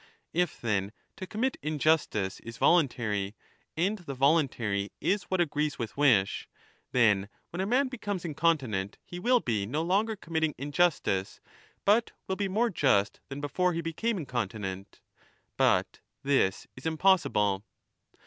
If, then, to commit injustice is voluntary, and the voluntary is what agrees with wish, then when a man becomes incontinent he will be no 35 longer committing injustice, but will be more just than before he became incontinent. But this is impossible.